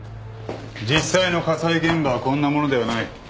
実際の火災現場はこんなものではない。